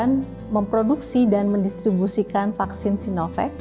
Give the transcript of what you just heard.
yang memproduksi dan mendistribusikan vaksin sinovac